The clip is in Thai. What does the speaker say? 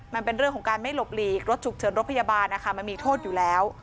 มันเป็นเรื่องของการไม่หลบหลีกรถฉุกเฉินรถพยาบาลนะคะมันมีโทษอยู่แล้ว